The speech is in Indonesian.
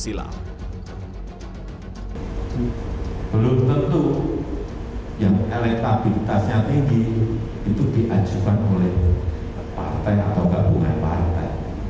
belum tentu yang elektabilitasnya tinggi itu diajukan oleh partai atau gabungan partai